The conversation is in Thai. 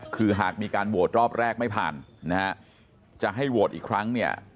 คือหากมีการโหวตรอบแรกไม่ผ่านนะฮะจะให้โหวตอีกครั้งเนี่ย